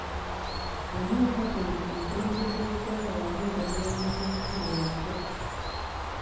Omwaka guno omukulembeze w'eggwanga yalonda omulamuzi omukulu omupya.